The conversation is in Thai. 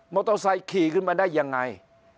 มอเตอร์ไซค์ขี่ขึ้นมาได้อย่างไร